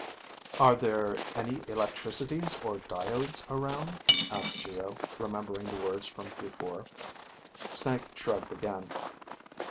"Are there any electricities, or diodes around?" asked Geo, remembering the words from before. Snake shrugged again.